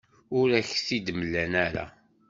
Ur ak-t-id-mlan ara.